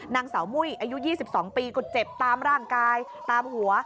นางสาวมุ้ยอายุ๒๒ปีก็เจ็บตามร่างกายตามหัว